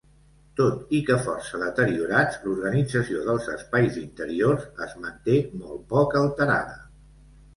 Tot i que força deteriorats, l'organització dels espais interiors es manté molt poc alterada.